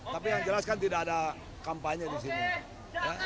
tapi yang jelas kan tidak ada kampanye disini